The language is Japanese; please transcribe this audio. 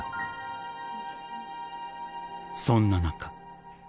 ［そんな中］